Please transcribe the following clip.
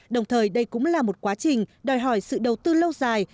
đồng thời đây cũng là một quá trình đòi hỏi sự đầu tư lâu dài